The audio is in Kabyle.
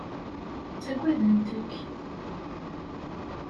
Ttagadent-k.